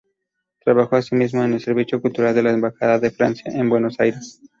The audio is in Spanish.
Trabajó, asimismo, en el Servicio Cultural de la Embajada de Francia en Buenos Aires.